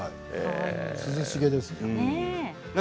涼しげですね。